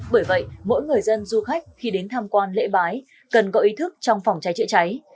bởi vậy mỗi người dân du khách khi đến tham quan lễ bái cần có ý thức trong phòng cháy chữa cháy